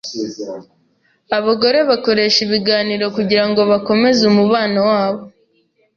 Abagore bakoresha ibiganiro kugirango bakomeze umubano wabo.